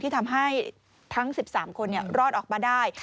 ที่ทำให้ทั้ง๑๓คนรอดออกมาได้